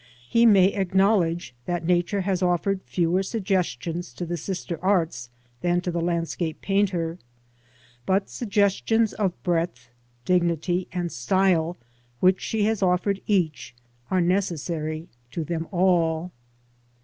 He may acknowledge that Nature has offered fewer suggestions to the sister arts than to the landscape painter, but suggestions of ^br eadth , dignity and style, which she has offered each, are neces sary to themafl.